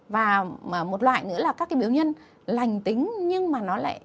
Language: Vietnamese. và một loại nữa là các cái biểu nhân lành tính nhưng mà nó lại